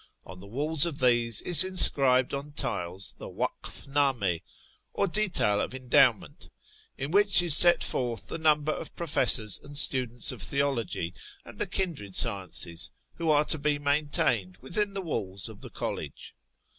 On the walls of these is inscribed on tiles the wakf ndm6, or detail of the endowment, in which is set forth the number of professors and students of theology and the kindred sciences who are to be maintained within the walls of the college.